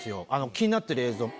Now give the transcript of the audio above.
気になってる映像。